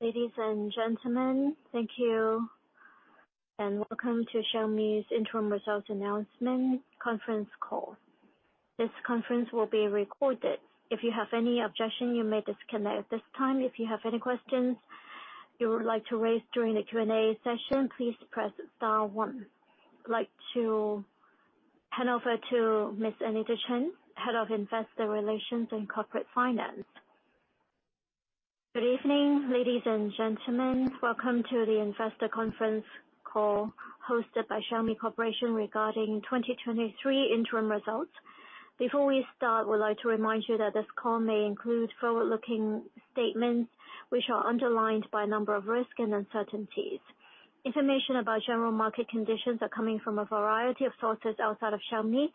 Ladies and gentlemen, thank you, and welcome to Xiaomi's Interim Results Announcement Conference Call. This conference will be recorded. If you have any objection, you may disconnect at this time. If you have any questions you would like to raise during the Q&A session, please press star one. I'd like to hand over to Ms. Anita Chan, Head of Investor Relations and Corporate Finance. Good evening, ladies and gentlemen. Welcome to the investor conference call hosted by Xiaomi Corporation regarding 2023 interim results. Before we start, we'd like to remind you that this call may include forward-looking statements, which are underlined by a number of risks and uncertainties. Information about general market conditions are coming from a variety of sources outside of Xiaomi.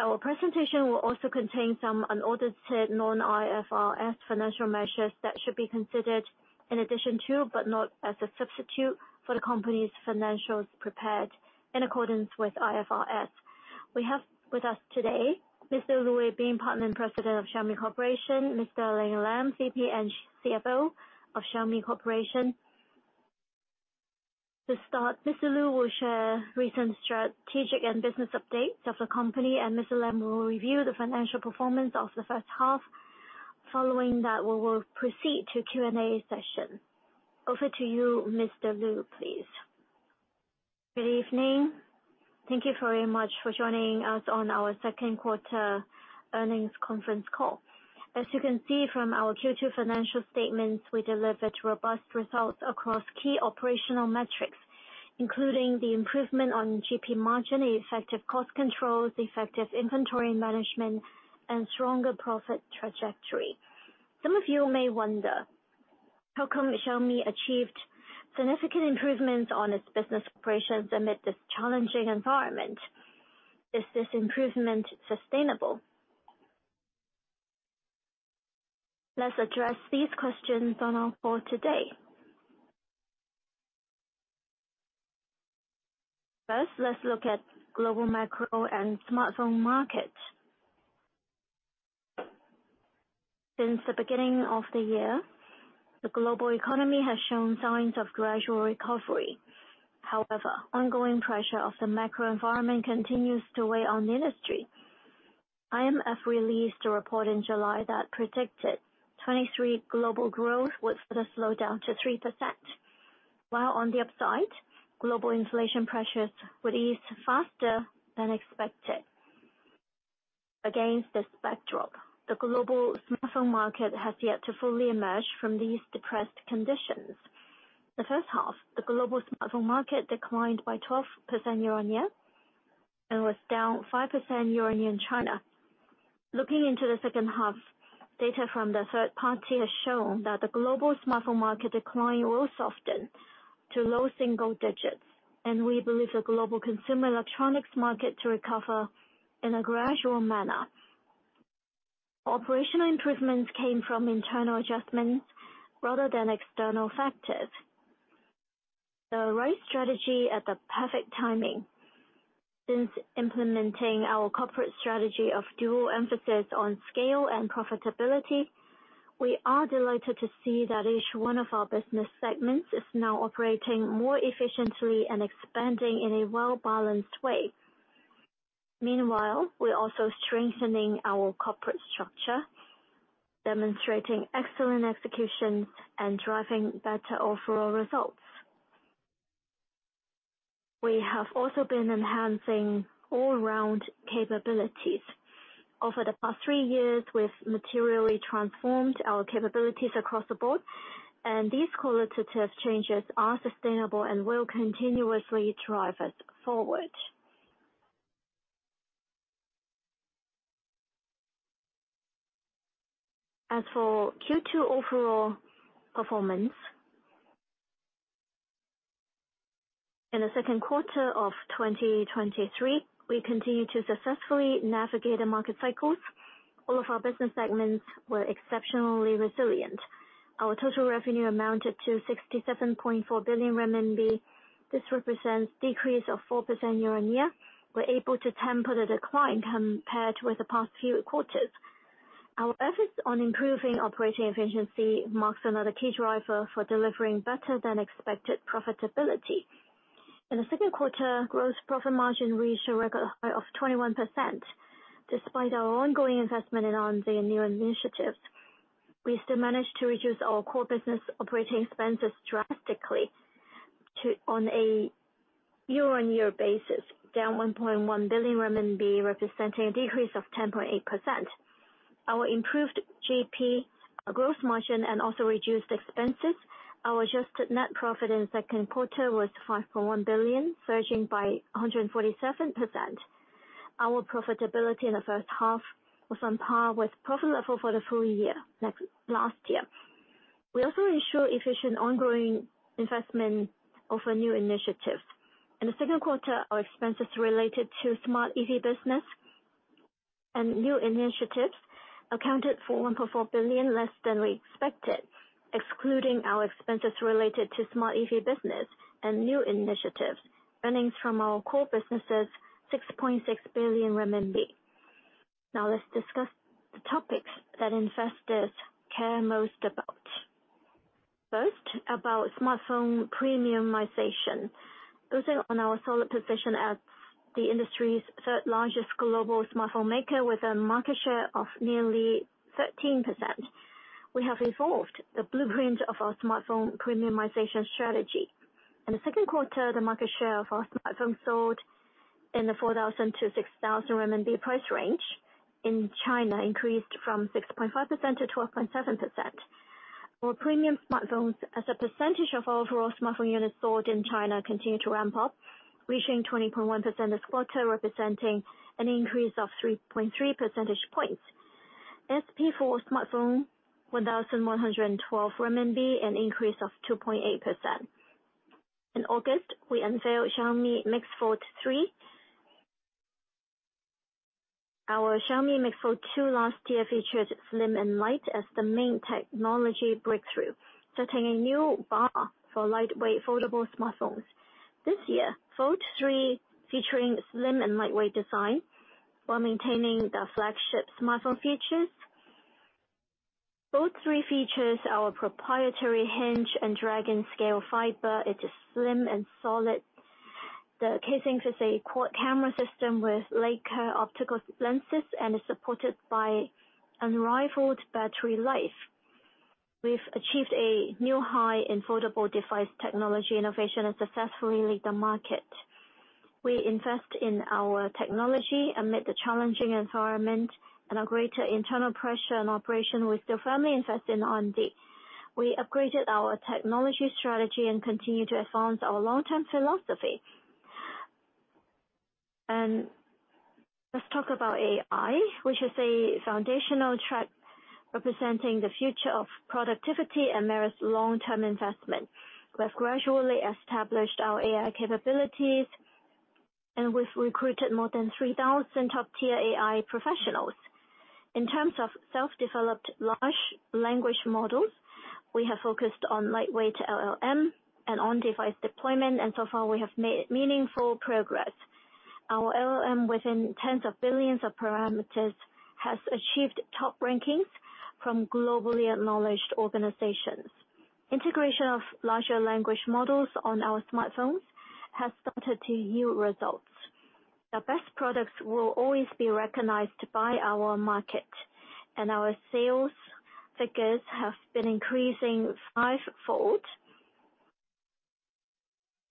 Our presentation will also contain some unaudited non-IFRS financial measures that should be considered in addition to, but not as a substitute, for the company's financials prepared in accordance with IFRS. We have with us today Mr. Lu Weibing, Partner and President of Xiaomi Corporation, Mr. Alain Lam, VP and CFO of Xiaomi Corporation. To start, Mr. Lu will share recent strategic and business updates of the company, and Mr. Lam will review the financial performance of the first half. Following that, we will proceed to Q&A session. Over to you, Mr. Lu, please. Good evening. Thank you very much for joining us on our second quarter earnings conference call. As you can see from our Q2 financial statements, we delivered robust results across key operational metrics, including the improvement on GP margin, effective cost controls, effective inventory management, and stronger profit trajectory. Some of you may wonder, how come Xiaomi achieved significant improvements on its business operations amid this challenging environment? Is this improvement sustainable? Let's address these questions on our call today. First, let's look at global macro and smartphone market. Since the beginning of the year, the global economy has shown signs of gradual recovery. However, ongoing pressure of the macro environment continues to weigh on the industry. IMF released a report in July that predicted 2023 global growth would further slow down to 3%, while on the upside, global inflation pressures would ease faster than expected. Against this backdrop, the global smartphone market has yet to fully emerge from these depressed conditions. The first half, the global smartphone market declined by 12% year-on-year, and was down 5% year-on-year in China. Looking into the second half, data from the third-party has shown that the global smartphone market decline will soften to low single digits, and we believe the global consumer electronics market to recover in a gradual manner. Operational improvements came from internal adjustments rather than external factors. The right strategy at the perfect timing. Since implementing our corporate strategy of dual emphasis on scale and profitability, we are delighted to see that each one of our business segments is now operating more efficiently and expanding in a well-balanced way. Meanwhile, we're also strengthening our corporate structure, demonstrating excellent execution and driving better overall results. We have also been enhancing all-around capabilities. Over the past three years, we've materially transformed our capabilities across the board, and these qualitative changes are sustainable and will continuously drive us forward. As for Q2 overall performance, in the second quarter of 2023, we continued to successfully navigate the market cycles. All of our business segments were exceptionally resilient. Our total revenue amounted to 67.4 billion renminbi. This represents decrease of 4% year-on-year. We're able to temper the decline compared with the past few quarters. Our efforts on improving operating efficiency marks another key driver for delivering better than expected profitability. In the second quarter, gross profit margin reached a record high of 21%. Despite our ongoing investment in our new initiatives, we still managed to reduce our core business operating expenses drastically to, on a year-on-year basis, down 1.1 billion RMB, representing a decrease of 10.8%. Our improved GP, our gross margin, and also reduced expenses, our adjusted net profit in the second quarter was 5.1 billion, surging by 147%. Our profitability in the first half was on par with profit level for the full-year, like, last year. We also ensure efficient, ongoing investment of our new initiatives. In the second quarter, our expenses related to smart EV business and new initiatives accounted for 1.4 billion, less than we expected. Excluding our expenses related to smart EV business and new initiatives, earnings from our core business is 6.6 billion renminbi. Now, let's discuss the topics that investors care most about. First, about smartphone premiumization. Building on our solid position as the industry's third largest global smartphone maker with a market share of nearly 13%, we have evolved the blueprint of our smartphone premiumization strategy. In the second quarter, the market share of our smartphones sold in the 4,000-6,000 RMB price range in China increased from 6.5% to 12.7%, while premium smartphones as a percentage of overall smartphone units sold in China continued to ramp up, reaching 20.1% this quarter, representing an increase of 3.3 percentage points. ASP for smartphone, 1,112 RMB, an increase of 2.8%. In August, we unveiled Xiaomi MIX Fold 3. Our Xiaomi MIX Fold 2 last year featured slim and light as the main technology breakthrough, setting a new bar for lightweight foldable smartphones. This year, Fold 3, featuring slim and lightweight design while maintaining the flagship smartphone features. Fold 3 features our proprietary hinge and Dragon Scale Fiber. It is slim and solid. The casing has a quad camera system with Leica optical lenses and is supported by unrivaled battery life. We've achieved a new high in foldable device technology innovation and successfully lead the market. We invest in our technology amid the challenging environment and a greater internal pressure and operation. We still firmly invest in R&D. We upgraded our technology strategy and continue to advance our long-term philosophy. Let's talk about AI, which is a foundational track representing the future of productivity and merits long-term investment. We have gradually established our AI capabilities, and we've recruited more than 3,000 top-tier AI professionals. In terms of self-developed large language models, we have focused on lightweight LLM and on-device deployment, and so far we have made meaningful progress. Our LLM, within tens of billions of parameters, has achieved top rankings from globally acknowledged organizations. Integration of large language models on our smartphones has started to yield results. The best products will always be recognized by our market, and our sales figures have been increasing fivefold,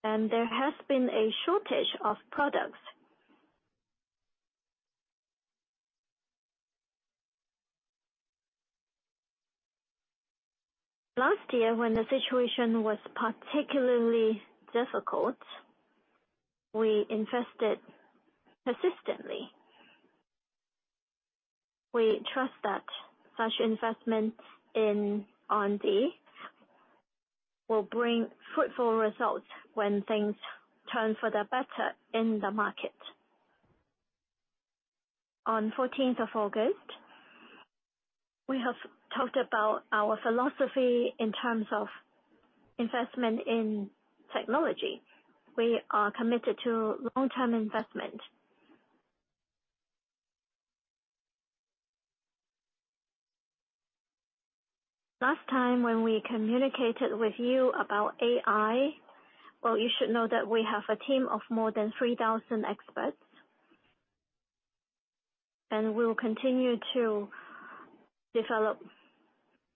and there has been a shortage of products. Last year, when the situation was particularly difficult, we invested persistently. We trust that such investments in R&D will bring fruitful results when things turn for the better in the market. On the fourteenth of August, we have talked about our philosophy in terms of investment in technology. We are committed to long-term investment. Last time, when we communicated with you about AI, well, you should know that we have a team of more than 3,000 experts, and we will continue to develop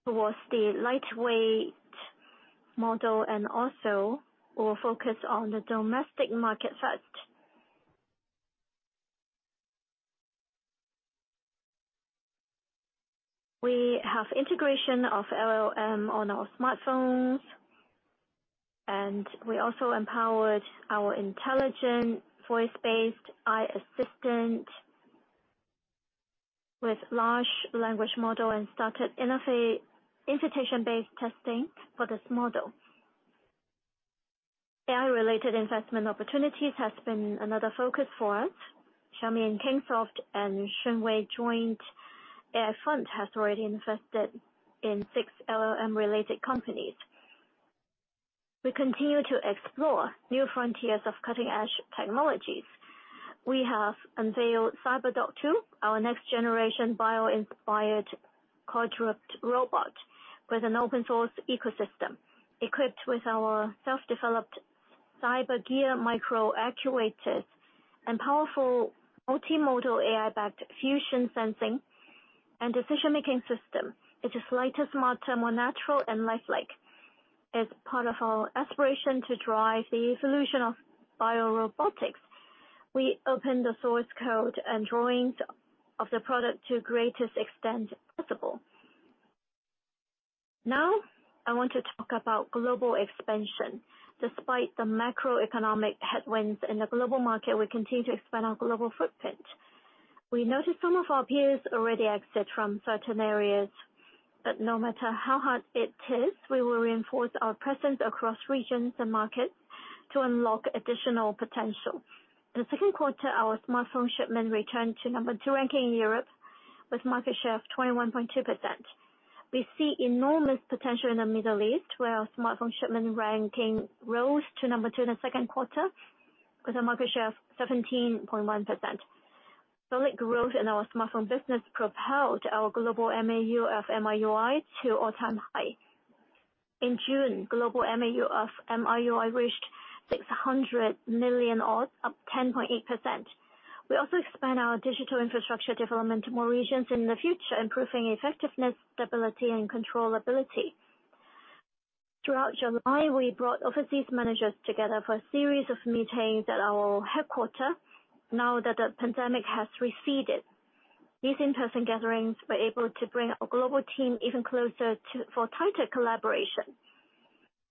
towards the lightweight model, and also we'll focus on the domestic market first. We have integration of LLM on our smartphones, and we also empowered our intelligent voice-based AI assistant with large language model and started invitation-based testing for this model. AI-related investment opportunities has been another focus for us. Xiaomi and Kingsoft and Shunwei Joint AI Fund has already invested in six LLM-related companies. We continue to explore new frontiers of cutting-edge technologies. We have unveiled CyberDog 2, our next generation bio-inspired quadruped robot with an open source ecosystem, equipped with our self-developed CyberGear microactuators, and powerful multimodal AI-backed fusion sensing and decision-making system. It's the lightest, smarter, more natural, and lifelike. As part of our aspiration to drive the evolution of biorobotics, we opened the source code and drawings of the product to greatest extent possible. Now, I want to talk about global expansion. Despite the macroeconomic headwinds in the global market, we continue to expand our global footprint. We noticed some of our peers already exit from certain areas, but no matter how hard it is, we will reinforce our presence across regions and markets to unlock additional potential. In the second quarter, our smartphone shipment returned to number two ranking in Europe, with market share of 21.2%.... We see enormous potential in the Middle East, where our smartphone shipment ranking rose to number two in the second quarter, with a market share of 17.1%. Solid growth in our smartphone business propelled our global MAU of MIUI to all-time high. In June, global MAU of MIUI reached 600 million, or up 10.8%. We also expand our digital infrastructure development to more regions in the future, improving effectiveness, stability, and controllability. Throughout July, we brought overseas managers together for a series of meetings at our headquarters, now that the pandemic has receded. These in-person gatherings were able to bring our global team even closer together for tighter collaboration.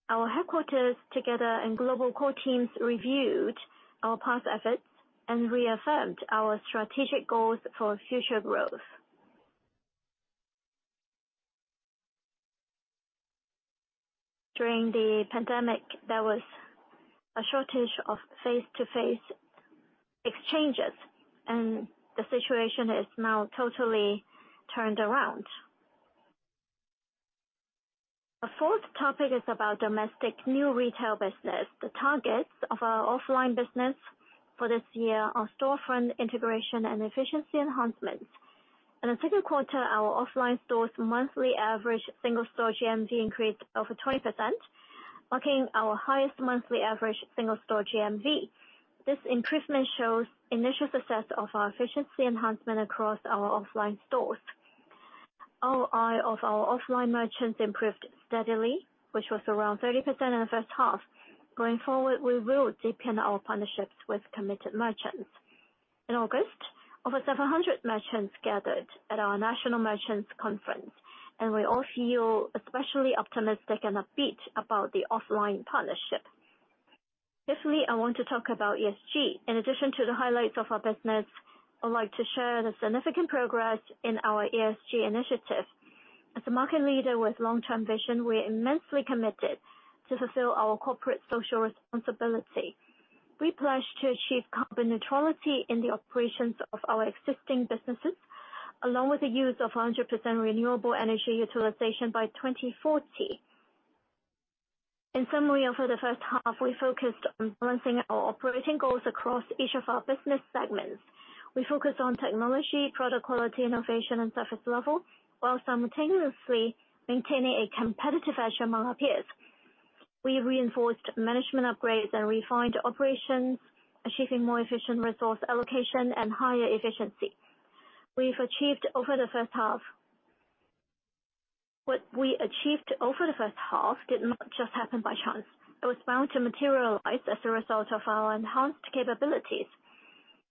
Our headquarters, together with global core teams, reviewed our past efforts and reaffirmed our strategic goals for future growth. During the pandemic, there was a shortage of face-to-face exchanges, and the situation is now totally turned around. The fourth topic is about domestic new retail business. The targets of our offline business for this year are storefront integration and efficiency enhancements. In the second quarter, our offline stores' monthly average single-store GMV increased over 20%, marking our highest monthly average single-store GMV. This improvement shows initial success of our efficiency enhancement across our offline stores. ROI of our offline merchants improved steadily, which was around 30% in the first half. Going forward, we will deepen our partnerships with committed merchants. In August, over 700 merchants gathered at our National Merchants Conference, and we all feel especially optimistic and upbeat about the offline partnership. Lastly, I want to talk about ESG. In addition to the highlights of our business, I'd like to share the significant progress in our ESG initiative. As a market leader with long-term vision, we're immensely committed to fulfill our corporate social responsibility. We pledge to achieve carbon neutrality in the operations of our existing businesses, along with the use of 100% renewable energy utilization by 2040. In summary, over the first half, we focused on balancing our operating goals across each of our business segments. We focused on technology, product quality, innovation, and service level, while simultaneously maintaining a competitive edge among our peers. We reinforced management upgrades and refined operations, achieving more efficient resource allocation and higher efficiency. We've achieved over the first half. What we achieved over the first half did not just happen by chance. It was bound to materialize as a result of our enhanced capabilities.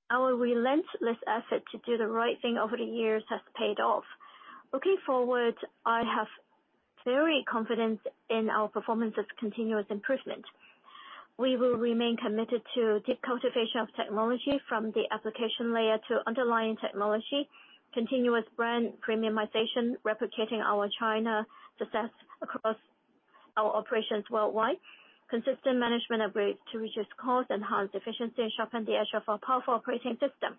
Our relentless effort to do the right thing over the years has paid off. Looking forward, I have very confident in our performance's continuous improvement. We will remain committed to deep cultivation of technology from the application layer to underlying technology, continuous brand premiumization, replicating our China success across our operations worldwide, consistent management upgrades to reduce cost, enhance efficiency, and sharpen the edge of our powerful operating system.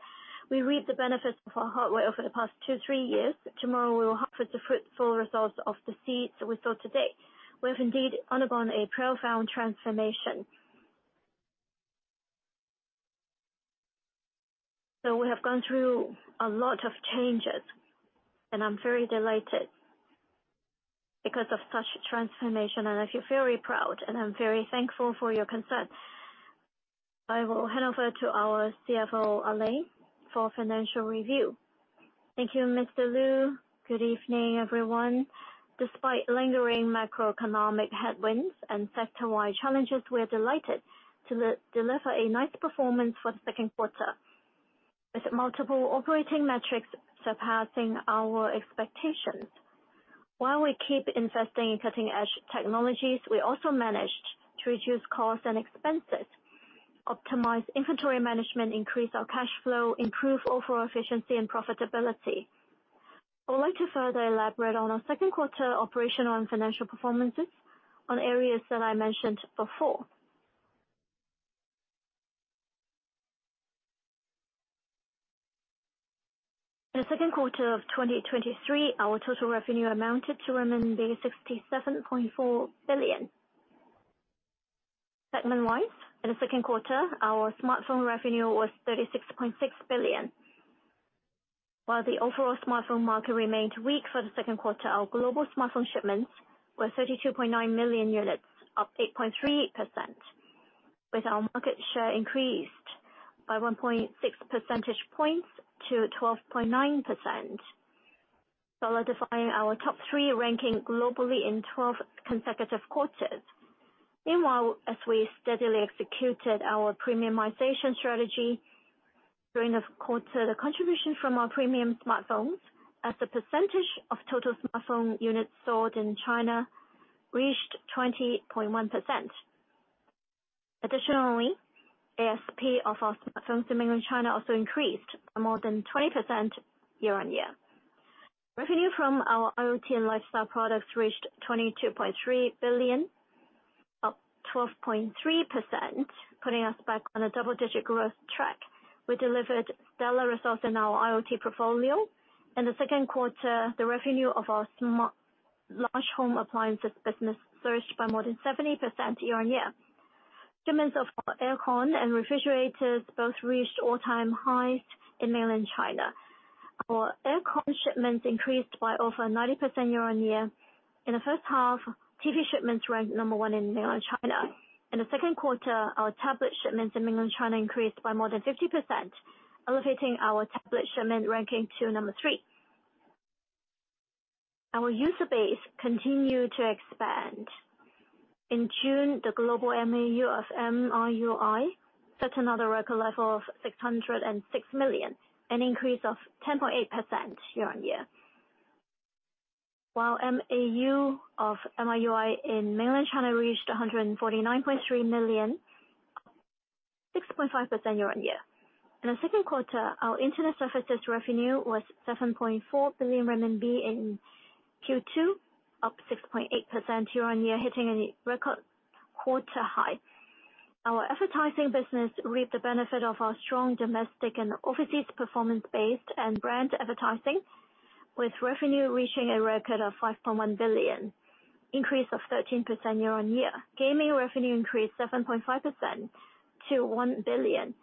We reap the benefits of our hard work over the past two, three years. Tomorrow, we will harvest the fruitful results of the seeds we sow today. We have indeed undergone a profound transformation. So we have gone through a lot of changes, and I'm very delighted because of such transformation, and I feel very proud, and I'm very thankful for your concerns. I will hand over to our CFO, Alain, for financial review. Thank you, Mr. Lu. Good evening, everyone. Despite lingering macroeconomic headwinds and sector-wide challenges, we are delighted to deliver a nice performance for the second quarter, with multiple operating metrics surpassing our expectations. While we keep investing in cutting-edge technologies, we also managed to reduce costs and expenses, optimize inventory management, increase our cash flow, improve overall efficiency and profitability. I'd like to further elaborate on our second quarter operational and financial performances on areas that I mentioned before. In the second quarter of 2023, our total revenue amounted to renminbi 67.4 billion. Segment-wise, in the second quarter, our smartphone revenue was 36.6 billion. While the overall smartphone market remained weak for the second quarter, our global smartphone shipments were 32.9 million units, up 8.3%, with our market share increased by 1.6 percentage points to 12.9%, solidifying our top three ranking globally in 12 consecutive quarters. Meanwhile, as we steadily executed our premiumization strategy during the quarter, the contribution from our premium smartphones as a percentage of total smartphone units sold in China reached 20.1%. Additionally, ASP of our smartphones in mainland China also increased more than 20% year-on-year. Revenue from our IoT and lifestyle products reached 22.3 billion, 12.3%, putting us back on a double-digit growth track. We delivered stellar results in our IoT portfolio. In the second quarter, the revenue of our smart, large home appliances business surged by more than 70% year-on-year. Shipments of our air con and refrigerators both reached all-time highs in mainland China. Our air con shipments increased by over 90% year-on-year. In the first half, TV shipments ranked number one in mainland China. In the second quarter, our tablet shipments in mainland China increased by more than 50%, elevating our tablet shipment ranking to number three. Our user base continued to expand. In June, the global MAU of MIUI set another record level of 606 million, an increase of 10.8% year-on-year. While MAU of MIUI in mainland China reached 149.3 million, 6.5% year-on-year. In the second quarter, our internet services revenue was 7.4 billion RMB in Q2, up 6.8% year-on-year, hitting a record quarter high. Our advertising business reaped the benefit of our strong domestic and overseas performance-based and brand advertising, with revenue reaching a record of 5.1 billion, increase of 13% year-on-year. Gaming revenue increased 7.5% to 1 billion,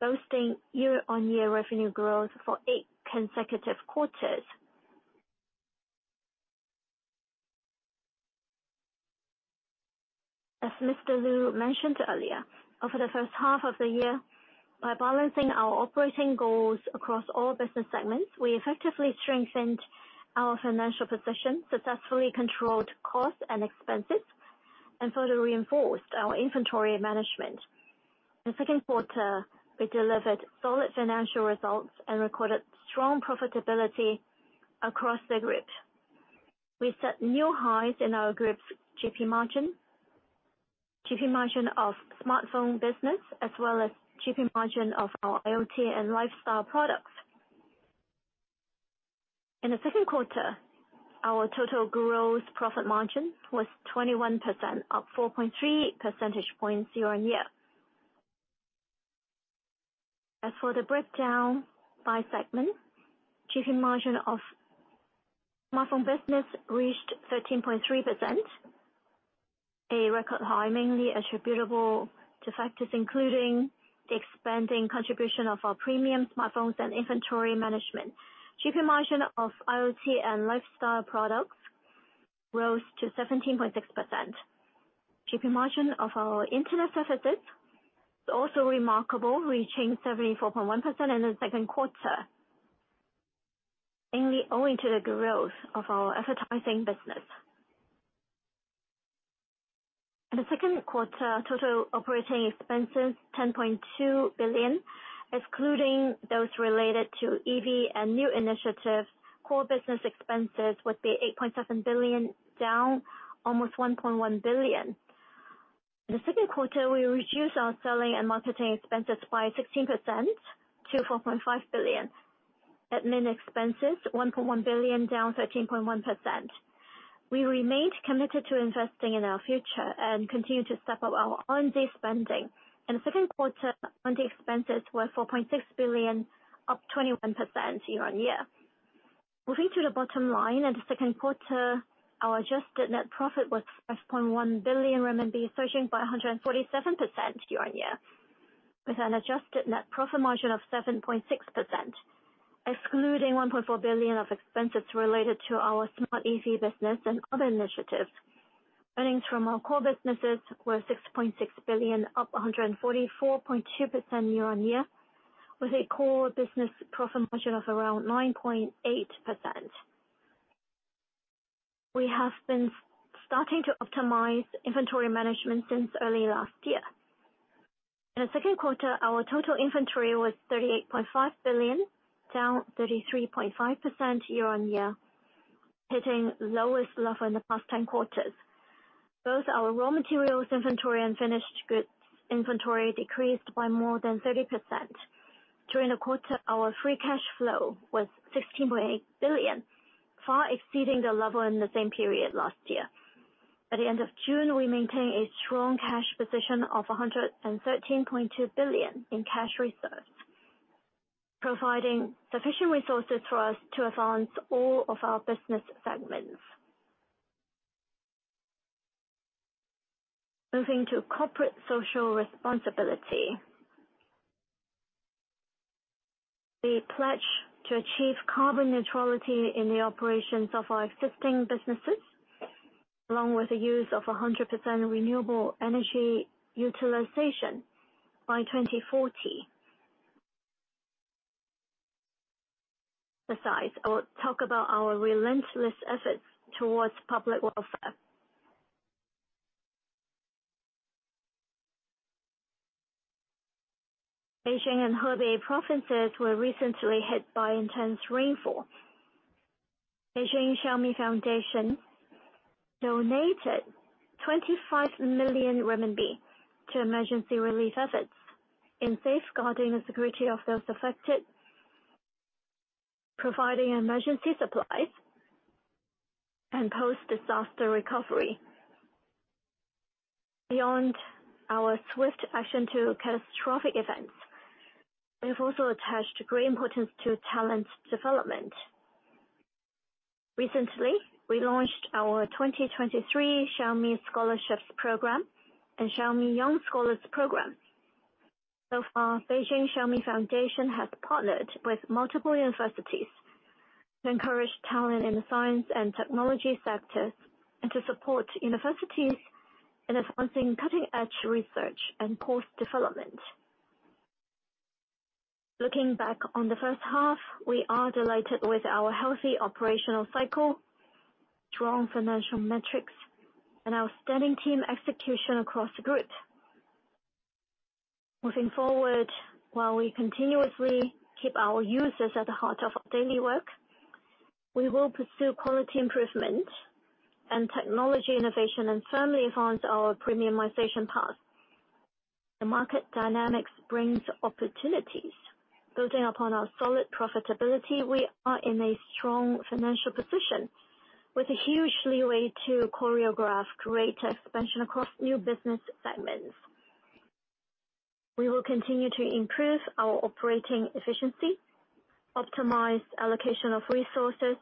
boasting year-on-year revenue growth for 8 consecutive quarters. As Mr. Lu mentioned earlier, over the first half of the year, by balancing our operating goals across all business segments, we effectively strengthened our financial position, successfully controlled costs and expenses, and further reinforced our inventory management. In the second quarter, we delivered solid financial results and recorded strong profitability across the group. We set new highs in our group's GP margin, GP margin of smartphone business, as well as GP margin of our IoT and lifestyle products. In the second quarter, our total gross profit margin was 21%, up 4.3 percentage points year-on-year. As for the breakdown by segment, GP margin of smartphone business reached 13.3%, a record high, mainly attributable to factors including the expanding contribution of our premium smartphones and inventory management. GP margin of IoT and lifestyle products rose to 17.6%. GP margin of our internet services is also remarkable, reaching 74.1% in the second quarter, mainly owing to the growth of our advertising business. In the second quarter, total operating expenses, 10.2 billion, excluding those related to EV and new initiatives, core business expenses would be 8.7 billion, down almost 1.1 billion. In the second quarter, we reduced our selling and marketing expenses by 16% to 4.5 billion. Admin expenses, 1.1 billion, down 13.1%. We remained committed to investing in our future and continued to step up our R&D spending. In the second quarter, R&D expenses were 4.6 billion, up 21% year-on-year. Moving to the bottom line, in the second quarter, our adjusted net profit was 5.1 billion RMB, surging by 147% year-on-year, with an adjusted net profit margin of 7.6%. Excluding 1.4 billion of expenses related to our smart EV business and other initiatives, earnings from our core businesses were 6.6 billion, up 144.2% year-on-year, with a core business profit margin of around 9.8%. We have been starting to optimize inventory management since early last year. In the second quarter, our total inventory was 38.5 billion, down 33.5% year-on-year, hitting lowest level in the past 10 quarters. Both our raw materials inventory and finished goods inventory decreased by more than 30%. During the quarter, our free cash flow was 16.8 billion, far exceeding the level in the same period last year. At the end of June, we maintained a strong cash position of 113.2 billion in cash reserves, providing sufficient resources for us to advance all of our business segments. Moving to corporate social responsibility. We pledge to achieve carbon neutrality in the operations of our existing businesses, along with the use of 100% renewable energy utilization by 2040. Besides, I will talk about our relentless efforts towards public welfare. Beijing and Hebei provinces were recently hit by intense rainfall. Beijing Xiaomi Foundation donated 25 million RMB to emergency relief efforts in safeguarding the security of those affected, providing emergency supplies and post-disaster recovery. Beyond our swift action to catastrophic events, we have also attached great importance to talent development. Recently, we launched our 2023 Xiaomi Scholarships Program and Xiaomi Young Scholars Program. So far, Beijing Xiaomi Foundation has partnered with multiple universities to encourage talent in the science and technology sector, and to support universities in advancing cutting-edge research and course development. Looking back on the first half, we are delighted with our healthy operational cycle, strong financial metrics, and outstanding team execution across the group. Moving forward, while we continuously keep our users at the heart of our daily work, we will pursue quality improvement and technology innovation, and firmly advance our premiumization path. The market dynamics brings opportunities. Building upon our solid profitability, we are in a strong financial position, with a huge leeway to choreograph greater expansion across new business segments. We will continue to improve our operating efficiency, optimize allocation of resources,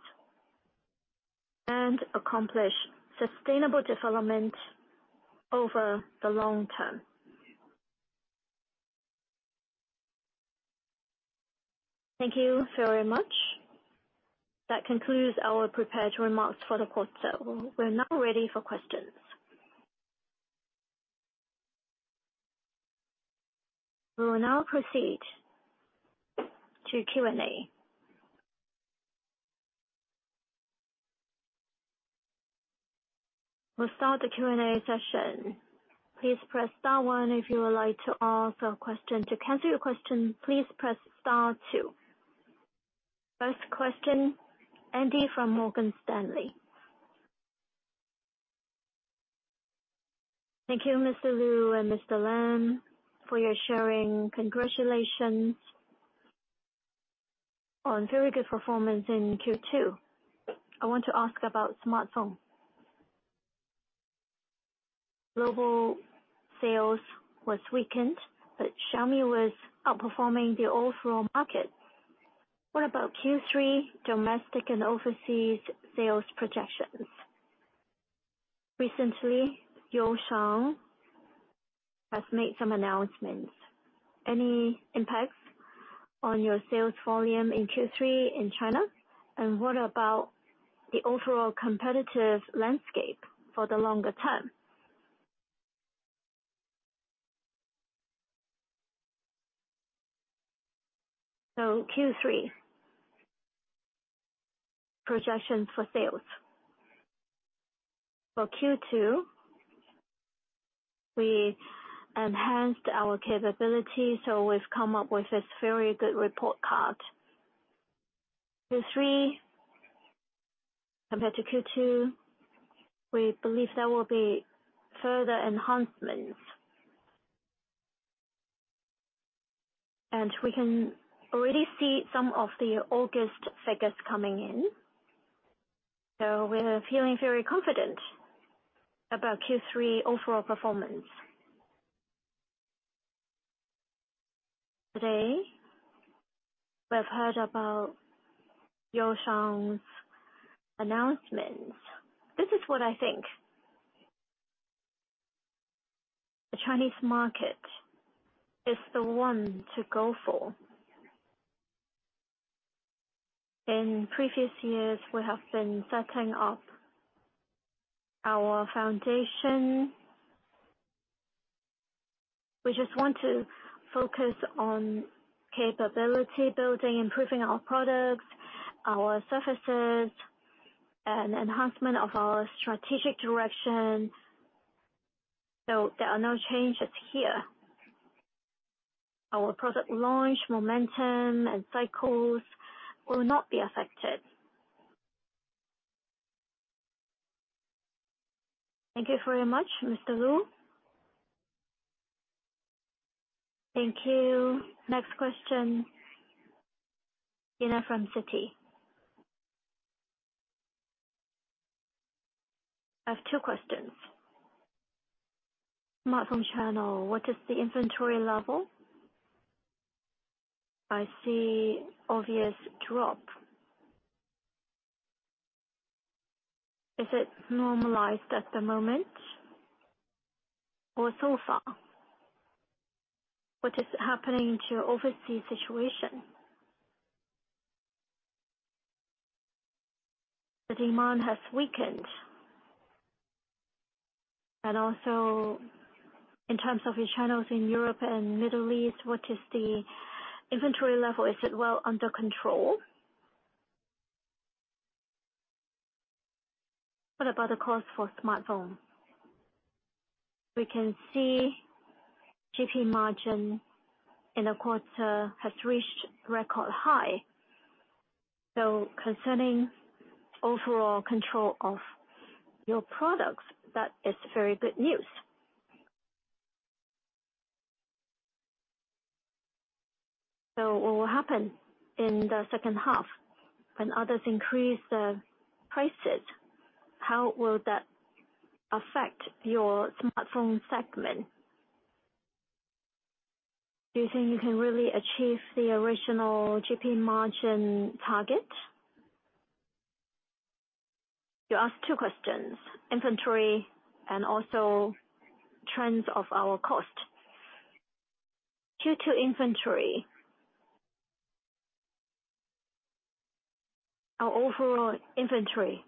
and accomplish sustainable development over the long term. Thank you very much. That concludes our prepared remarks for the quarter. We're now ready for questions. We will now proceed to Q&A. We'll start the Q&A session. Please press star one if you would like to ask a question. To cancel your question, please press star two. First question, Andy from Morgan Stanley. Thank you, Mr. Lu and Mr. Lam, for your sharing. Congratulations on very good performance in Q2. I want to ask about smartphone. Global sales was weakened, but Xiaomi was outperforming the overall market. What about Q3 domestic and overseas sales projections? Recently, You Shang has made some announcements. Any impacts on your sales volume in Q3 in China? And what about the overall competitive landscape for the longer term? So, Q3, projections for sales. For Q2, we enhanced our capability, so we've come up with this very good report card. Q3, compared to Q2, we believe there will be further enhancements. And we can already see some of the August figures coming in, so we're feeling very confident about Q3 overall performance. Today, we've heard about You Shang's announcements. This is what I think. The Chinese market is the one to go for. In previous years, we have been setting up our foundation. We just want to focus on capability building, improving our products, our services, and enhancement of our strategic direction. So, there are no changes here. Our product launch, momentum, and cycles will not be affected. Thank you very much, Mr. Lu.T hank you. Next question, Kyna from Citi. I have two questions. Smartphone channel, what is the inventory level? I see obvious drop. Is it normalized at the moment, or so far? What is happening to your overseas situation? The demand has weakened. And also, in terms of your channels in Europe and Middle East, what is the inventory level? Is it well under control? What about the cost for smartphone? We can see GP margin in the quarter has reached record high. So, concerning overall control of your products, that is very good news. So, what will happen in the second half when others increase the prices, how will that affect your smartphone segment? Do you think you can really achieve the original GP margin target? You asked two questions: inventory and also trends of our cost. Q2 inventory. Our overall inventory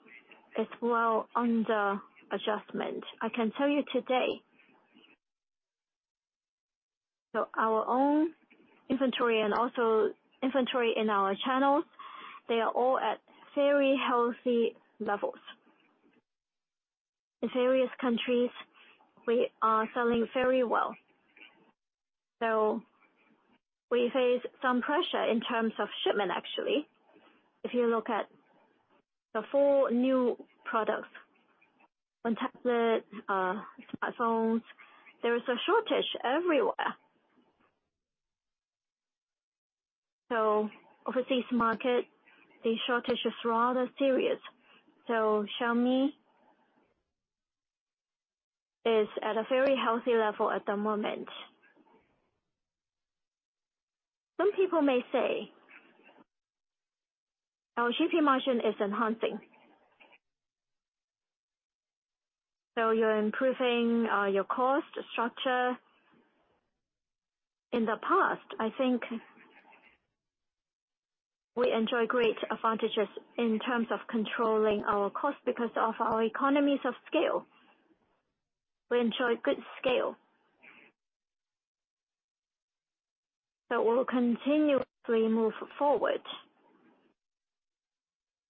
is well under adjustment. I can tell you today, so our own inventory and also inventory in our channels, they are all at very healthy levels. In various countries, we are selling very well. So, we face some pressure in terms of shipment, actually. If you look at the four new products, on tablet, smartphones, there is a shortage everywhere. So overseas market, the shortage is rather serious. So Xiaomi is at a very healthy level at the moment. Some people may say our GP margin is enhancing. So you're improving your cost structure. In the past, I think we enjoy great advantages in terms of controlling our cost because of our economies of scale. We enjoy good scale. So we'll continuously move forward,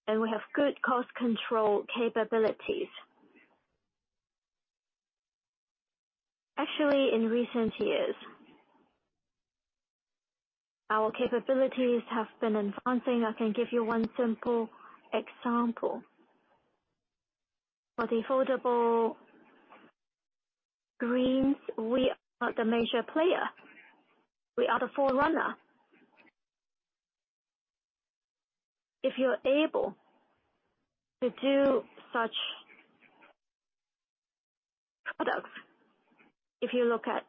and we have good cost control capabilities. Actually, in recent years, our capabilities have been advancing. I can give you one simple example. For the foldable screens, we are the major player. We are the forerunner. If you're able to do such products, if you look at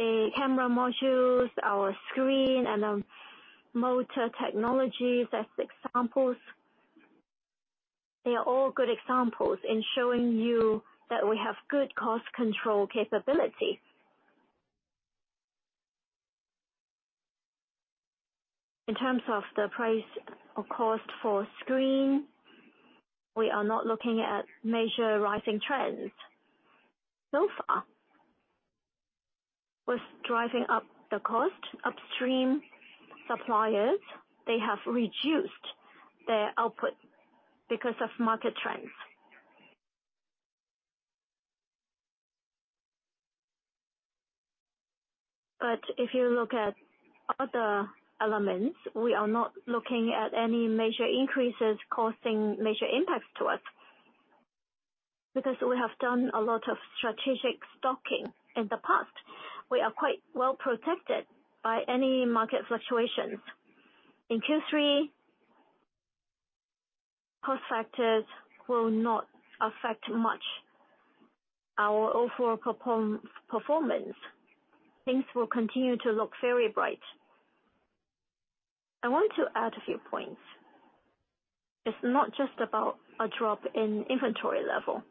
the camera modules, our screen, and our motor technologies, as examples, they are all good examples in showing you that we have good cost control capability. In terms of the price or cost for screen, we are not looking at major rising trends. So far, what's driving up the cost, upstream suppliers, they have reduced their output because of market trends. But if you look at other elements, we are not looking at any major increases causing major impacts to us. Because we have done a lot of strategic stocking in the past, we are quite well protected by any market fluctuations. In Q3, cost factors will not affect much our overall performance. Things will continue to look very bright. I want to add a few points. It's not just about a drop in inventory level.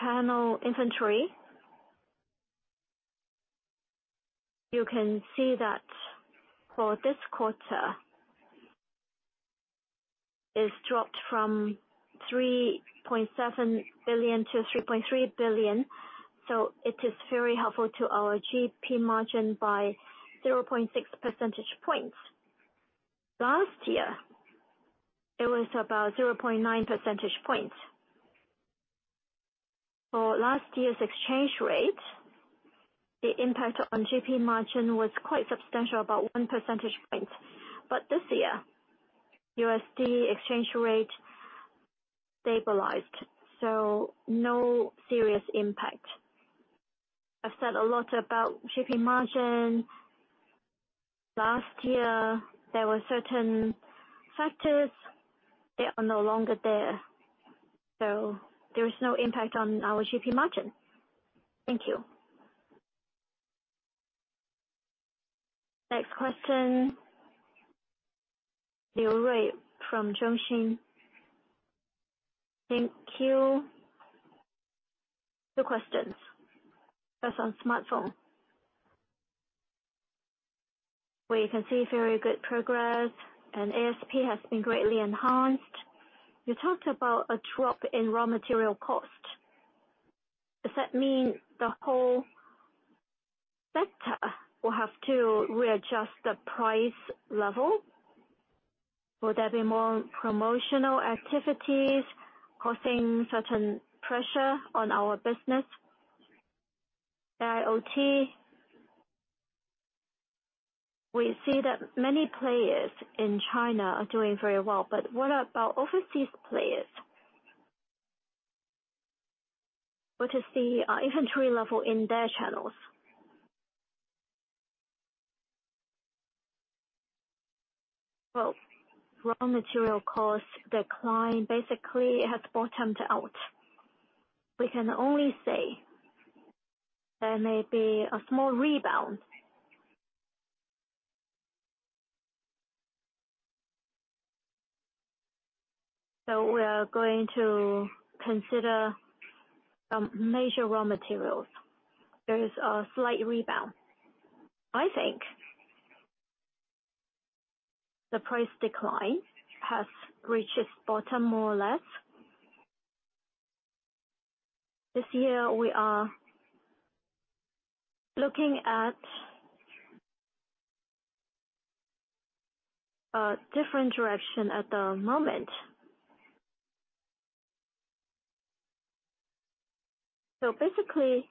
Channel inventory, you can see that for this quarter, it's dropped from 3.7 billion to 3.3 billion, so it is very helpful to our GP margin by 0.6 percentage points. Last year, it was about 0.9 percentage points. For last year's exchange rate, the impact on GP margin was quite substantial, about 1 percentage point. But this year, USD exchange rate stabilized, so no serious impact. I've said a lot about GP margin. Last year, there were certain factors, they are no longer there, so there is no impact on our GP margin. Thank you. Next question, Liu Ray from Zhongxin. Thank you. Two questions. First, on smartphone. We can see very good progress, and ASP has been greatly enhanced. You talked about a drop in raw material cost. Does that mean the whole sector will have to readjust the price level? Will there be more promotional activities causing certain pressure on our business? IoT, we see that many players in China are doing very well, but what about overseas players?... What is the inventory level in their channels? Well, raw material costs decline. Basically, it has bottomed out. We can only say there may be a small rebound. So, we are going to consider some major raw materials. There is a slight rebound. I think the price decline has reached its bottom, more or less. This year, we are looking at a different direction at the moment. So basically,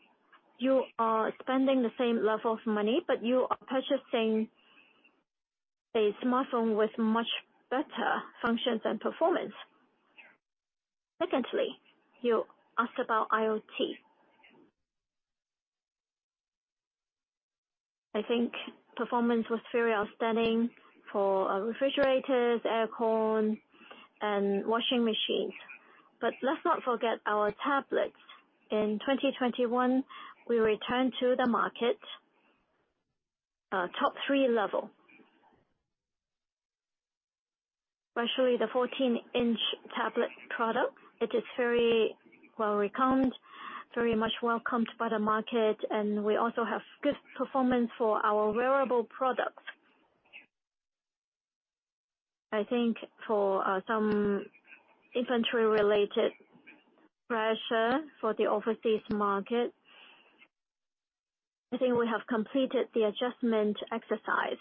you are spending the same level of money, but you are purchasing a smartphone with much better functions and performance. Secondly, you asked about IoT. I think performance was very outstanding for refrigerators, aircon, and washing machines. But let's not forget our tablets. In 2021, we returned to the market top three level. Especially the 14-inch tablet product. It is very well-received, very much welcomed by the market, and we also have good performance for our wearable products. I think for some inventory-related pressure for the overseas market, I think we have completed the adjustment exercise.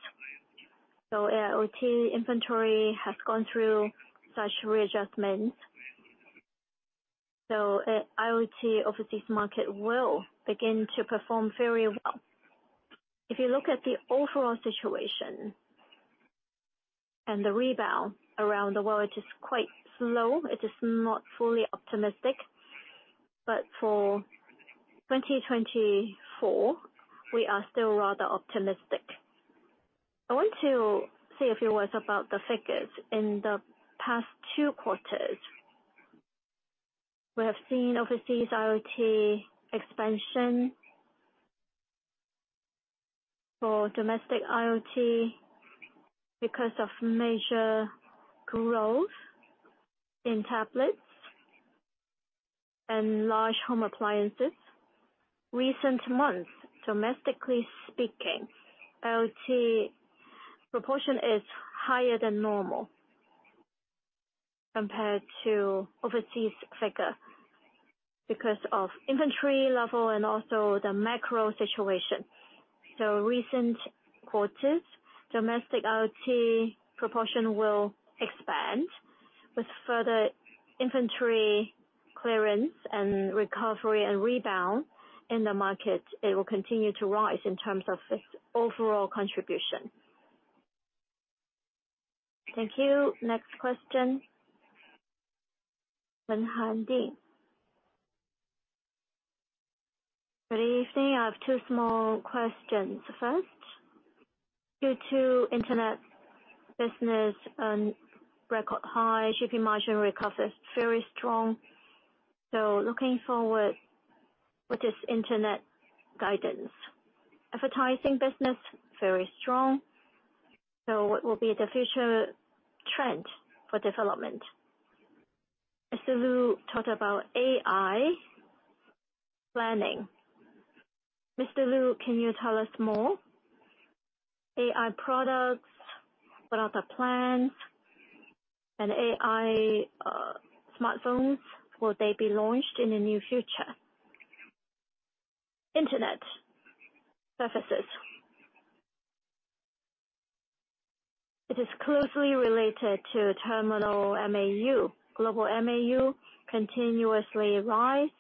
So IoT inventory has gone through such readjustments. So, IoT overseas market will begin to perform very well. If you look at the overall situation and the rebound around the world, it is quite slow. It is not fully optimistic. But for 2024, we are still rather optimistic. I want to say a few words about the figures. In the past 2 quarters, we have seen overseas IoT expansion. For domestic IoT, because of major growth in tablets and large home appliances, recent months, domestically speaking, IoT proportion is higher than normal compared to overseas figure, because of inventory level and also the macro situation. So recent quarters, domestic IoT proportion will expand. With further inventory clearance and recovery and rebound in the market, it will continue to rise in terms of its overall contribution. Thank you. Next question, Hanhui Di. Good evening. I have two small questions. First, due to internet business and record high GP margin recovery is very strong. So looking forward, what is internet guidance? Advertising business, very strong, so what will be the future trend for development? Mr. Lu talked about AI planning. Mr. Lu, can you tell us more? AI products, what are the plans, and AI, smartphones, will they be launched in the near future? Internet services. It is closely related to terminal MAU. Global MAU continuously rise,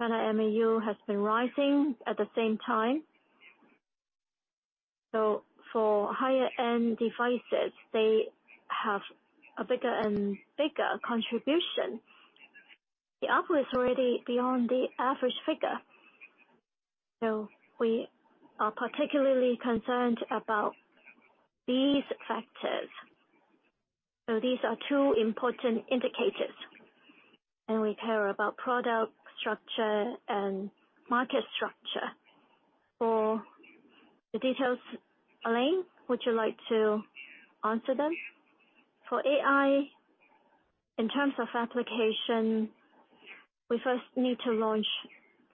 and our MAU has been rising at the same time. So for higher-end devices, they have a bigger and bigger contribution. The output is already beyond the average figure, so we are particularly concerned about these factors. So these are two important indicators, and we care about product structure and market structure. For the details, Alain, would you like to answer them? For AI, in terms of application, we first need to launch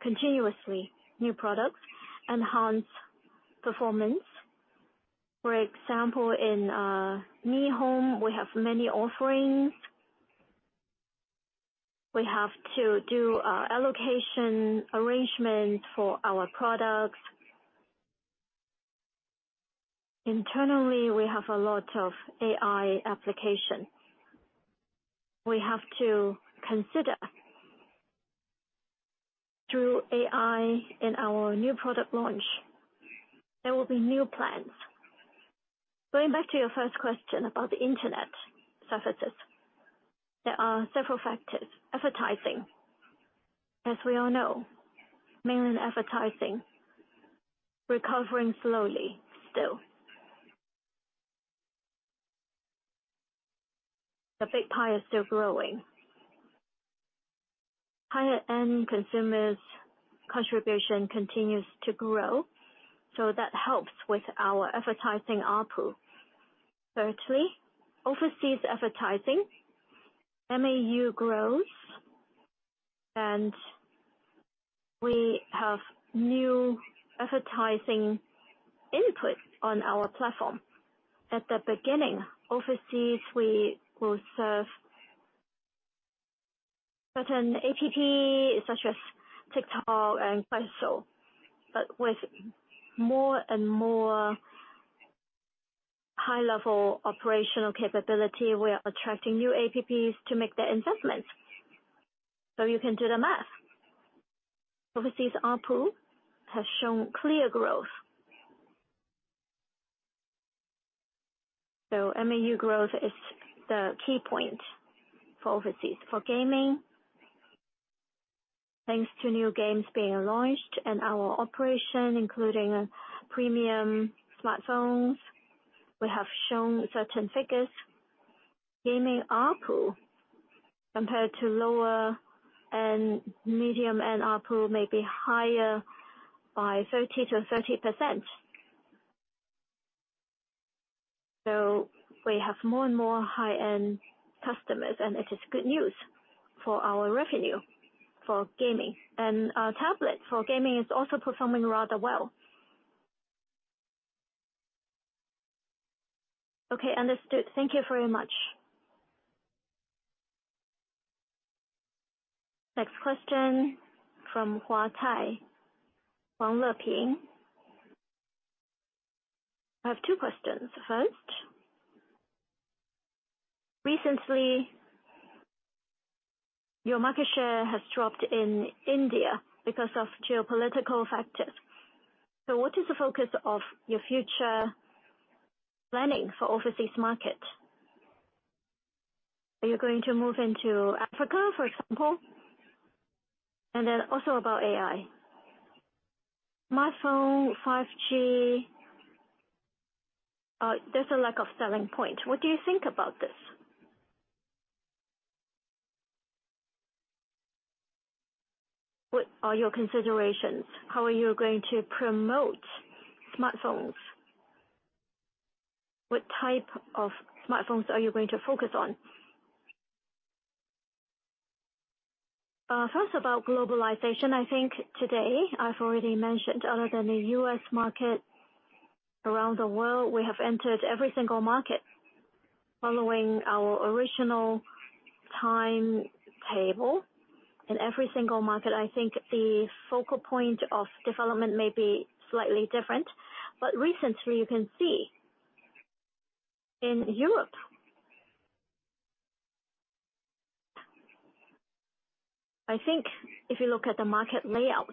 continuously new products, enhance performance. For example, in Mi Home, we have many offerings. We have to do allocation arrangement for our products. Internally, we have a lot of AI application. We have to consider through AI in our new product launch, there will be new plans. Going back to your first question about the internet services, there are several factors. Advertising, as we all know, mainland advertising recovering slowly still. The big pie is still growing. Higher-end consumers' contribution continues to grow, so that helps with our advertising ARPU. Thirdly, overseas advertising, MAU growth, and we have new advertising input on our platform. At the beginning, overseas, we will serve certain apps, such as TikTok and Resso. But with more and more high-level operational capability, we are attracting new apps to make their investments. So, you can do the math. Overseas ARPU has shown clear growth. So MAU growth is the key point for overseas. For gaming, thanks to new games being launched and our operation, including premium smartphones, we have shown certain figures. Gaming ARPU, compared to lower and medium-end ARPU, may be higher by 30%-30%. So, we have more and more high-end customers, and it is good news for our revenue for gaming. Tablet for gaming is also performing rather well. Okay, understood. Thank you very much. Next question from Huatai, Huang Leping. I have two questions. First, recently, your market share has dropped in India because of geopolitical factors. So, what is the focus of your future planning for overseas market? Are you going to move into Africa, for example? And then also about AI. Smartphone, 5G, there's a lack of selling point. What do you think about this? What are your considerations? How are you going to promote smartphones? What type of smartphones are you going to focus on? First, about globalization, I think today, I've already mentioned, other than the US market, around the world, we have entered every single market following our original timetable. In every single market, I think the focal point of development may be slightly different. But recently, you can see in Europe... I think if you look at the market layout,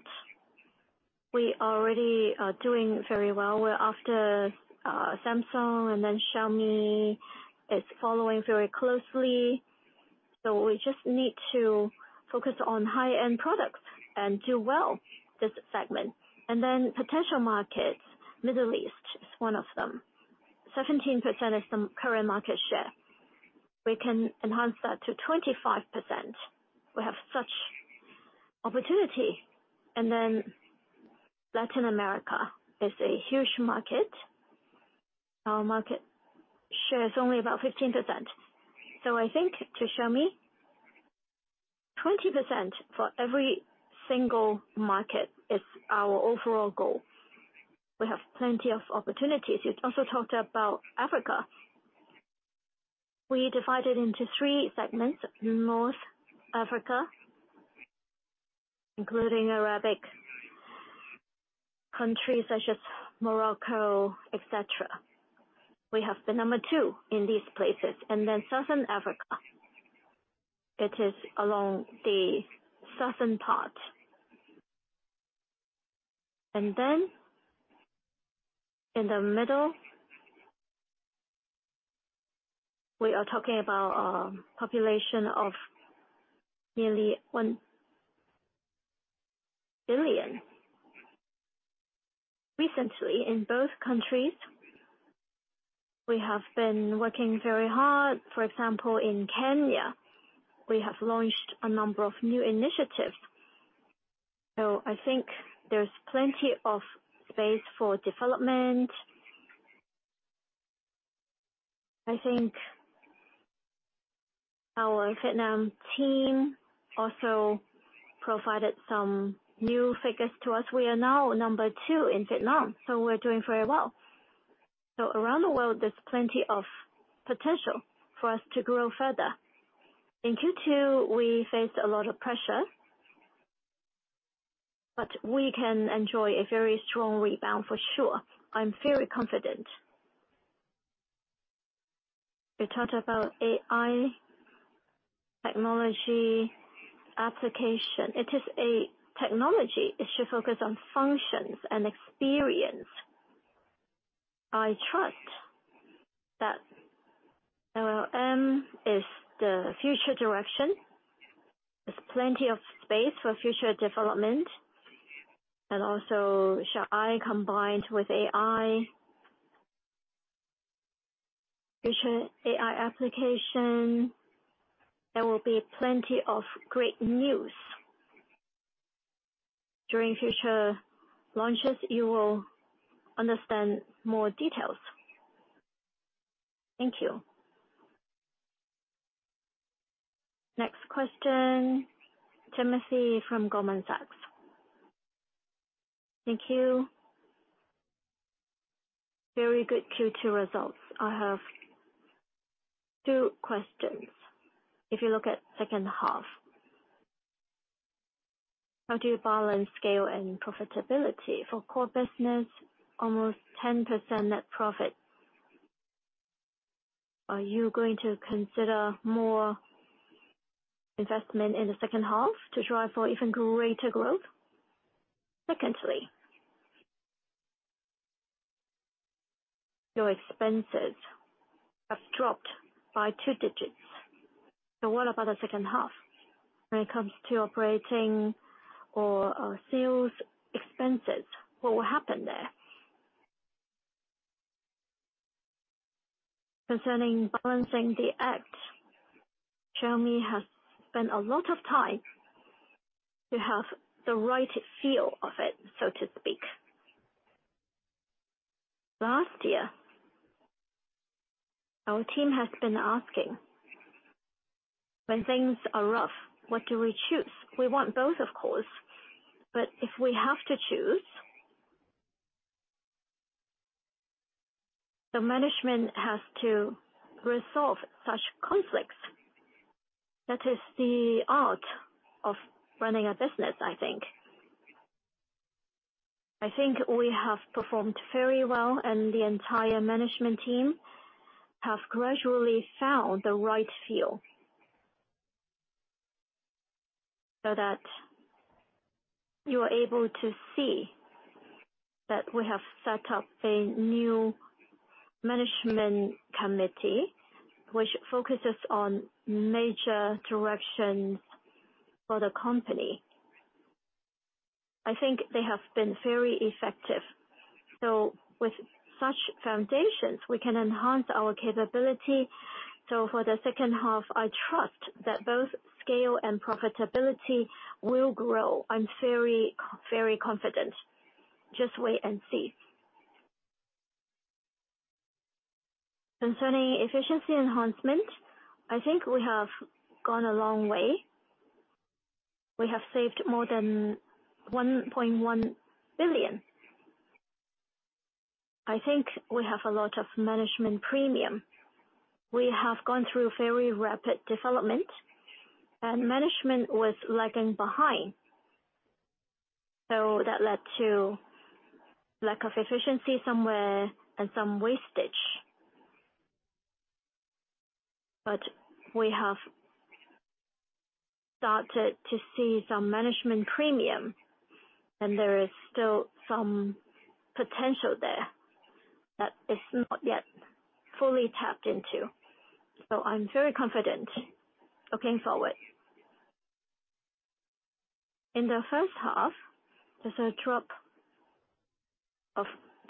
we are already doing very well. We're after Samsung, and then Xiaomi is following very closely. So we just need to focus on high-end products and do well this segment. And then potential markets, Middle East is one of them. 17% is the current market share. We can enhance that to 25%. We have such opportunity. And then Latin America is a huge market. Our market share is only about 15%. So I think to Xiaomi, 20% for every single market is our overall goal. We have plenty of opportunities. You also talked about Africa. We divide it into three segments: North Africa, including Arabic countries such as Morocco, etc. We have the number two in these places, and then Southern Africa, it is along the southern part. And then in the middle, we are talking about a population of nearly 1 billion. Recently, in both countries, we have been working very hard. For example, in Kenya, we have launched a number of new initiatives. So, I think there's plenty of space for development. I think our Vietnam team also provided some new figures to us. We are now number two in Vietnam, so we're doing very well. So around the world, there's plenty of potential for us to grow further. In Q2, we faced a lot of pressure, but we can enjoy a very strong rebound for sure. I'm very confident... You talked about AI technology application. It is a technology. It should focus on functions and experience. I trust that LLM is the future direction. There's plenty of space for future development, and also shall I combined with AI, future AI application, there will be plenty of great news. During future launches, you will understand more details. Thank you. Next question, Timothy from Goldman Sachs. Thank you. Very good Q2 results. I have two questions. If you look at second half, how do you balance scale and profitability? For core business, almost 10% net profit. Are you going to consider more investment in the second half to drive for even greater growth? Secondly, your expenses have dropped by two digits. So, what about the second half? When it comes to operating or sales expenses, what will happen there? Concerning balancing the act, Xiaomi has spent a lot of time to have the right feel of it, so to speak. Last year, our team has been asking, "When things are rough, what do we choose? We want both, of course, but if we have to choose..." The management has to resolve such conflicts. That is the art of running a business, I think. I think we have performed very well, and the entire management team have gradually found the right feel, so that you are able to see that we have set up a new management committee, which focuses on major directions for the company. I think they have been very effective. So, with such foundations, we can enhance our capability. So, for the second half, I trust that both scale and profitability will grow. I'm very, very confident. Just wait and see. Concerning efficiency enhancement, I think we have gone a long way. We have saved more than 1.1 billion. I think we have a lot of management premium. We have gone through very rapid development, and management was lagging behind, so that led to lack of efficiency somewhere and some wastage. But we have started to see some management premium, and there is still some potential there that is not yet fully tapped into. So I'm very confident looking forward. In the first half, there's a drop of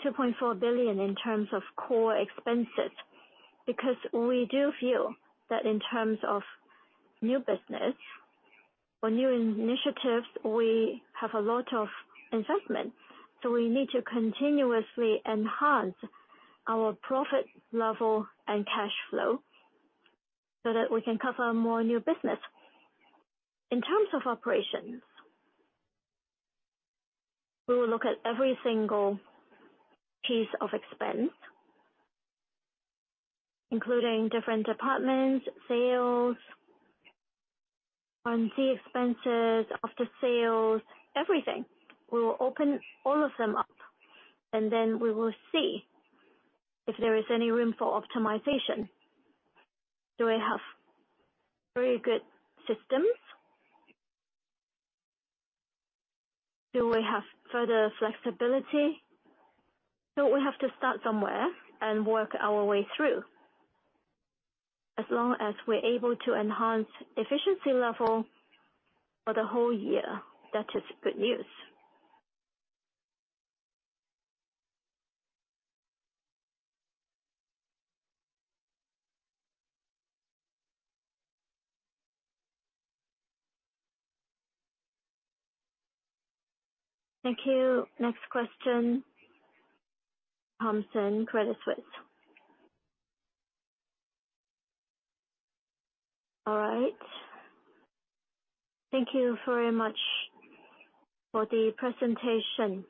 2.4 billion in terms of core expenses, because we do feel that in terms of new business or new initiatives, we have a lot of investment. So we need to continuously enhance our profit level and cash flow so that we can cover more new business. In terms of operations, we will look at every single piece of expense, including different departments, sales, R&D expenses, after sales, everything. We will open all of them up, and then we will see if there is any room for optimization. Do we have very good systems? Do we have further flexibility? So we have to start somewhere and work our way through. As long as we're able to enhance efficiency level for the whole year, that is good news. Thank you. Next question, Thompson, Credit Suisse. All right. Thank you very much for the presentation.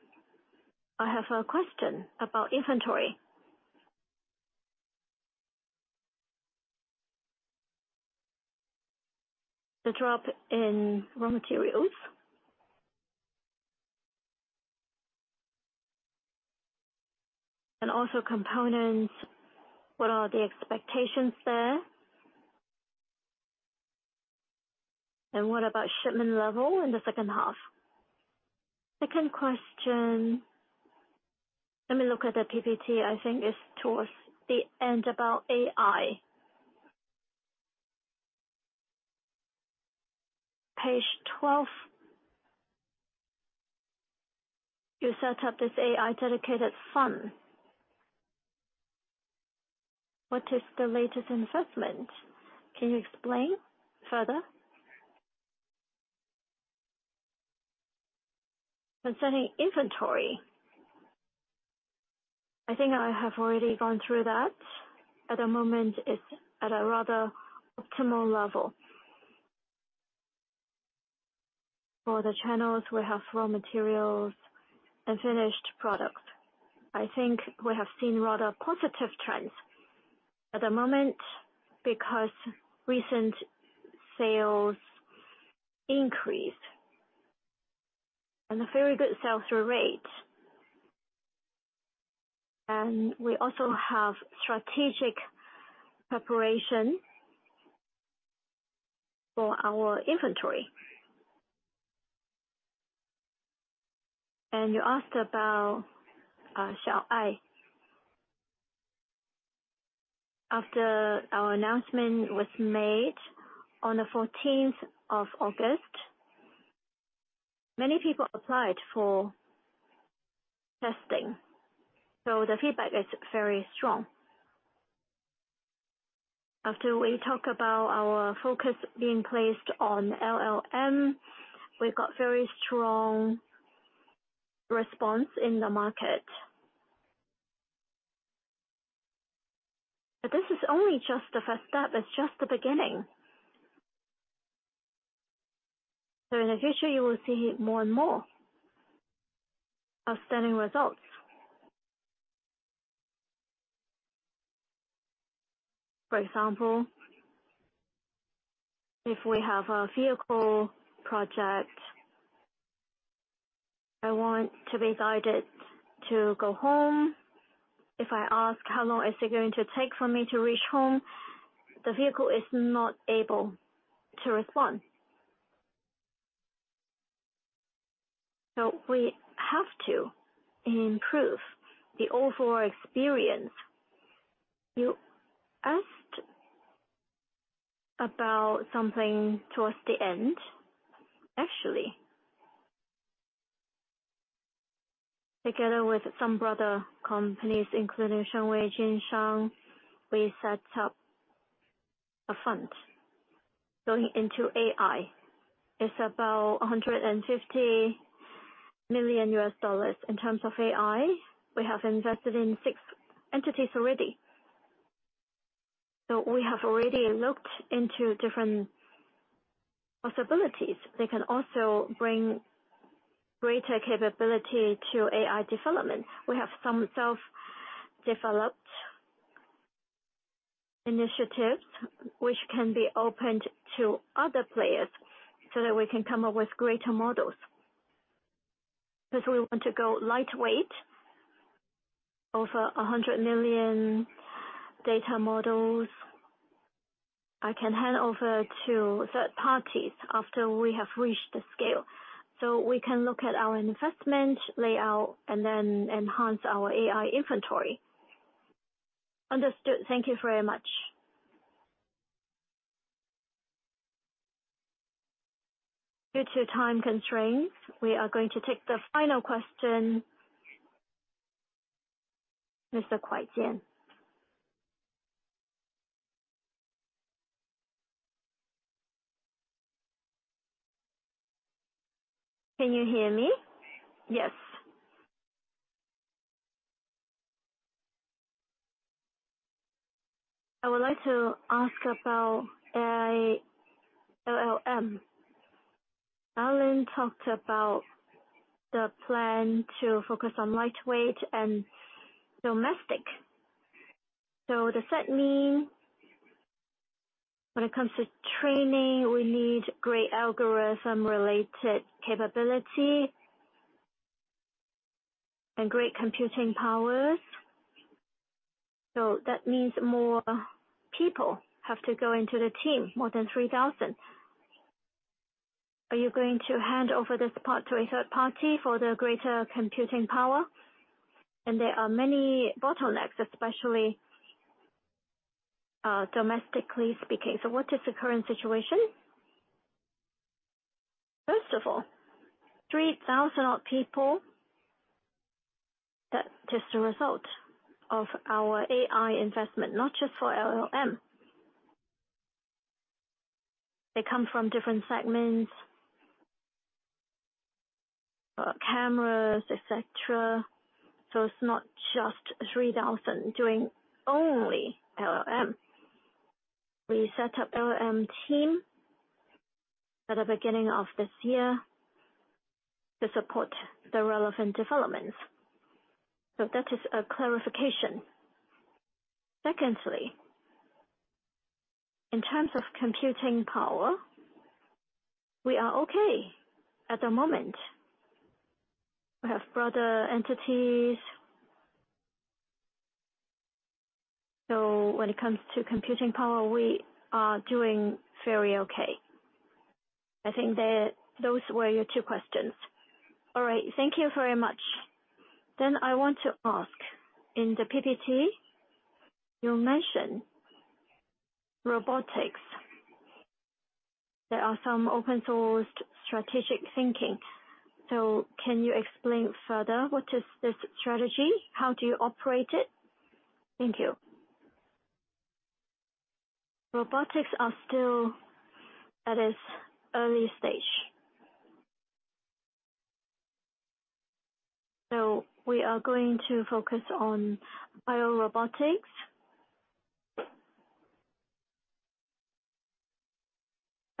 I have a question about inventory. The drop in raw materials and also components, what are the expectations there? And what about shipment level in the second half? Second question, let me look at the PPT. I think it's towards the end, about AI. Page 12. You set up this AI dedicated fund. What is the latest investment? Can you explain further? Concerning inventory, I think I have already gone through that. At the moment, it's at a rather optimal level. For the channels, we have raw materials and finished products. I think we have seen rather positive trends at the moment, because recent sales increased, and a very good sell-through rate. And we also have strategic preparation for our inventory. And you asked about, Xiao Ai. After our announcement was made on the fourteenth of August, many people applied for testing, so the feedback is very strong. After we talk about our focus being placed on LLM, we've got very strong response in the market. But this is only just the first step. It's just the beginning. So in the future, you will see more and more outstanding results. For example, if we have a vehicle project, I want to be guided to go home. If I ask, "How long is it going to take for me to reach home?" The vehicle is not able to respond. So we have to improve the overall experience. You asked about something towards the end. Actually, together with some brother companies, including Shunwei Capital, we set up a fund going into AI. It's about $150 million. In terms of AI, we have invested in six entities already. So we have already looked into different possibilities. They can also bring greater capability to AI development. We have some self-developed initiatives, which can be opened to other players so that we can come up with greater models. Because we want to go lightweight, over 100 million data models, I can hand over to third parties after we have reached the scale. So we can look at our investment layout and then enhance our AI inventory. Understood. Thank you very much. Due to time constraints, we are going to take the final question, Mr. Hwa-Chien. Can you hear me? Yes. I would like to ask about AI, LLM. Alain talked about the plan to focus on lightweight and domestic. So does that mean when it comes to training, we need great algorithm-related capability and great computing powers? So that means more people have to go into the team, more than 3,000. Are you going to hand over this part to a third party for the greater computing power? And there are many bottlenecks, especially, domestically speaking. So what is the current situation? First of all, 3,000 people, that is the result of our AI investment, not just for LLM. They come from different segments, cameras, et cetera, so it's not just 3,000 doing only LLM. We set up LLM team at the beginning of this year to support the relevant developments. So, that is a clarification. Secondly, in terms of computing power, we are okay at the moment. We have broader entities, so when it comes to computing power, we are doing very okay. I think that those were your two questions. All right. Thank you very much. Then I want to ask, in the PPT, you mentioned robotics. There are some open-sourced strategic thinking. So, can you explain further what is this strategy? How do you operate it? Thank you. Robotics are still at its early stage. So, we are going to focus on biorobotics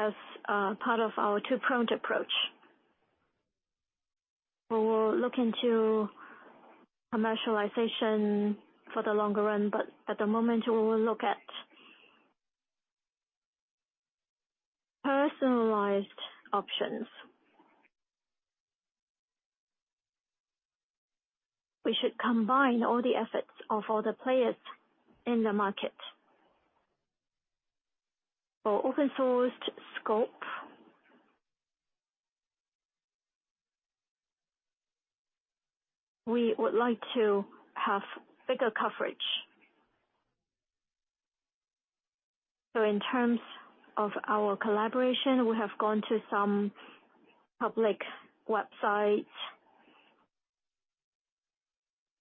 as part of our two-pronged approach. We will look into commercialization for the longer run, but at the moment, we will look at personalized options. We should combine all the efforts of all the players in the market. For open-sourced scope, we would like to have bigger coverage. In terms of our collaboration, we have gone to some public websites.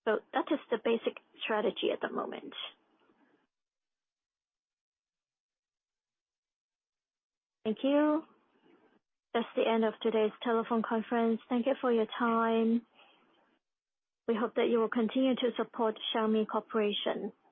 That is the basic strategy at the moment. Thank you. That's the end of today's telephone conference. Thank you for your time. We hope that you will continue to support Xiaomi Corporation.